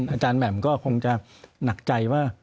อาจารย์แหม่มก็คงจะหนักใจว่า